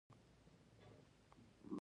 نخود کمې اوبه غواړي.